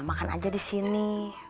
makan aja disini